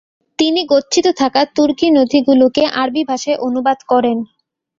তিনি গচ্ছিত থাকা তুর্কি নথিগুলিকে আরবি ভাষায় অনুবাদ করেন।